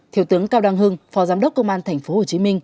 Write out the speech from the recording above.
thiếu tướng cao đăng hưng phó giám đốc công an tp hcm